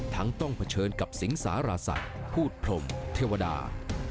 ต้องเผชิญกับสิงสารศักดิ์พูดพรมเทวดา